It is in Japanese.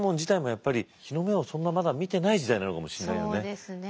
そうですね。